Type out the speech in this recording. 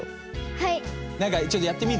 はい！